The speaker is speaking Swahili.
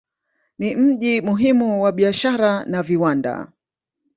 Ni mji muhimu wa biashara na viwanda.